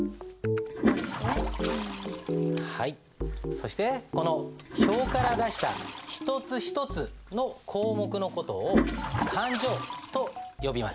そしてこの表から出した一つ一つの項目の事を勘定と呼びます。